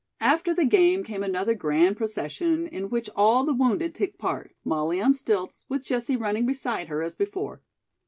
After the game came another grand procession in which all the wounded took part, Molly on stilts, with Jessie running beside her, as before.